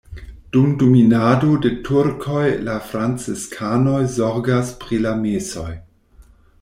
Dum dominado de turkoj la franciskanoj zorgas pri la mesoj.